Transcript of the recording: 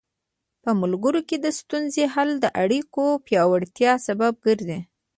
په ملګرو کې د ستونزو حل د اړیکو پیاوړتیا سبب ګرځي.